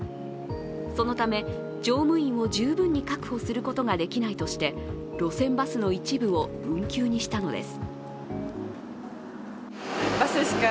そのため乗務員を十分に確保することができないとして路線バスの一部を運休にしたのです。